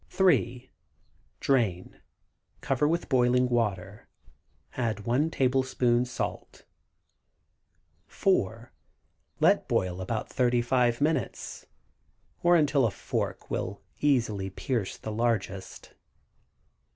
3. Drain; cover with boiling water; add 1 tablespoon salt. 4. Let boil about 35 minutes, or until a fork will easily pierce the largest.